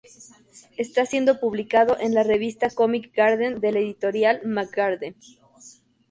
Está siendo publicado en la revista Comic Garden de la editorial Mag Garden.